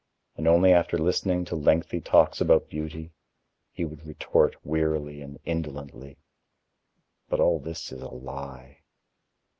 And only after listening to lengthy talks about beauty, he would retort wearily and indolently: "But all this is a lie."